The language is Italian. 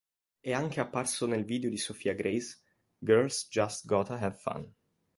È anche apparso nel video di Sophia Grace "Girls Just Gotta Have Fun".